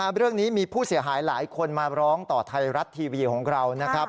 เรื่องนี้มีผู้เสียหายหลายคนมาร้องต่อไทยรัฐทีวีของเรานะครับ